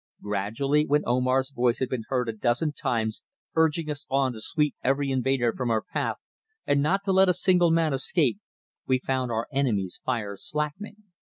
Gradually, when Omar's voice had been heard a dozen times urging us on to sweep every invader from our path and not to let a single man escape, we found our enemy's fire slackening.